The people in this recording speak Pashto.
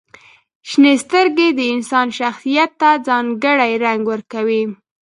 • شنې سترګې د انسان شخصیت ته ځانګړې رنګ ورکوي.